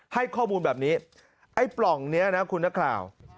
ให้ข้อมูลแบบนี้ไอ้ปล่องเนี่ยนะครับคุณนคราว